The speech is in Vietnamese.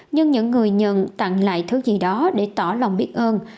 nhưng những người nhận tặng lại thứ gì đó để tỏ lòng biết ơn